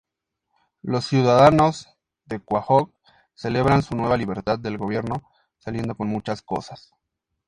Los ciudadanos de Quahog celebran su nueva libertad del gobierno, saliendo con muchas cosas.